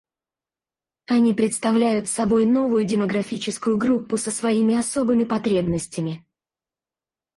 Они представляют собой новую демографическую группу со своими особыми потребностями.